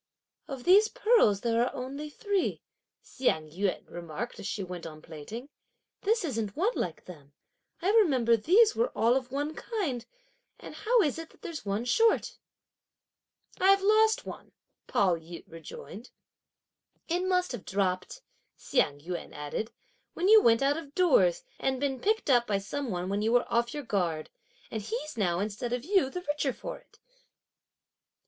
"Of these pearls there are only three," Hsiang yün remarked as she went on plaiting; "this isn't one like them; I remember these were all of one kind, and how is it that there's one short?" "I've lost one," Pao yü rejoined. "It must have dropped," Hsiang yün added, "when you went out of doors, and been picked up by some one when you were off your guard; and he's now, instead of you, the richer for it."